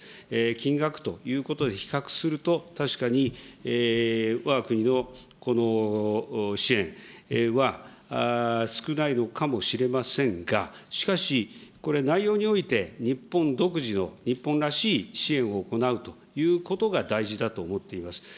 金額ということで比較すると、確かにわが国のこの支援は少ないのかもしれませんが、しかし、これ、内容において日本独自の、日本らしい支援を行うということが大事だと思っています。